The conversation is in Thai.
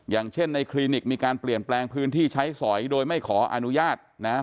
อย่างเช่นในคลินิกมีการเปลี่ยนแปลงพื้นที่ใช้สอยโดยไม่ขออนุญาตนะ